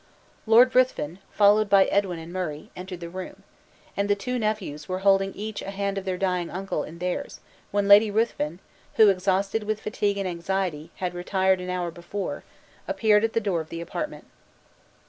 Lord Ruthven, followed by Edwin and Murray, entered the room. And the two nephews were holding each a hand of their dying uncle in theirs, when Lady Ruthven (who, exhausted with fatigue and anxiety, had retired an hour before), reappeared at the door of the apartment.